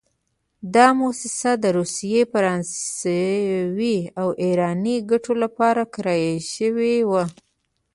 دا موسسه د روسي، فرانسوي او ایراني ګټو لپاره کرایه شوې وه.